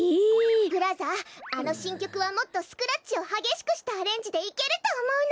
ブラザーあのしんきょくはもっとスクラッチをはげしくしたアレンジでいけるとおもうの。